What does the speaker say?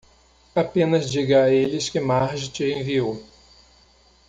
Apenas diga a eles que Marge te enviou.